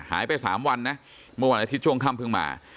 หายไป๓วันนะเมื่อวันอาทิตย์ช่วงค่ำเพิ่งมา